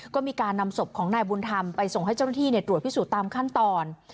ก็มีการนำศพของนายบุญธรรมไปส่งให้เจ้าหน้าที่ตรวจพิสูจน์ตามขั้นตอน